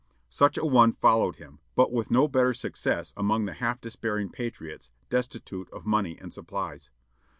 Such a one followed him, but with no better success among the half despairing patriots, destitute of money and supplies.